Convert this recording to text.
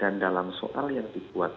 dan dalam soal yang dibuat